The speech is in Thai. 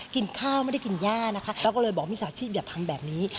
กินข้าวไม่ได้กินย่านะคะเราก็เลยบอกมิจฉาชีพอย่าทำแบบนี้